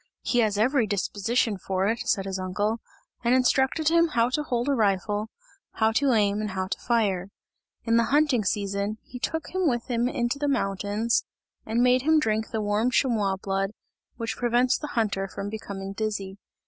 He has every disposition for it!" said his uncle, and instructed him how to hold a rifle, how to aim and to fire. In the hunting season, he took him with him in the mountains and made him drink the warm chamois blood, which prevents the hunter from becoming dizzy.